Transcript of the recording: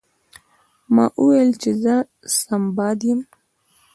ما وویل چې زه سنباد یم.